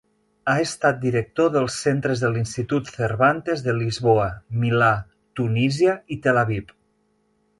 Ha estat director dels centres de l'Institut Cervantes de Lisboa, Milà, Tunísia i Tel Aviv.